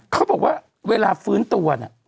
เขาบอกว่าเวลาฟื้นตัวเนี่ย